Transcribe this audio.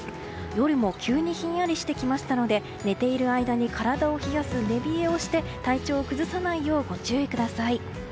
夜も急にひんやりしてきましたので寝ている間に体を冷やす寝冷えをして体調を崩さないようご注意ください。